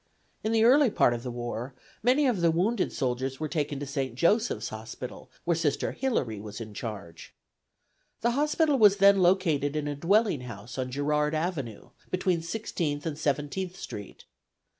In the early part of the war many of the wounded soldiers were taken to St. Joseph's Hospital, where Sister Hillary was in charge. The hospital was then located in a dwelling house on Girard avenue, between Sixteenth and Seventeenth street.